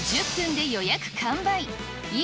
１０分で予約完売。